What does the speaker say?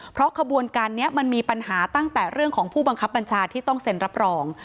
เพราะขบวนการนี้มันมีปัญหาตั้งแต่เรื่องของผู้บังคับบัญชาที่ต้องเซ็นรับรอง